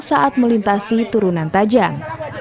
saat melintasi turunan tajam